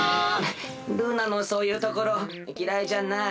ルーナのそういうところきらいじゃないよ。